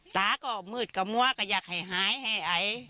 ตาก็มืดก็มัวก็อยากให้หายให้ไอ